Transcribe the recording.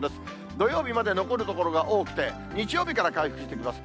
土曜日まで残る所が多くて、日曜日から回復してきます。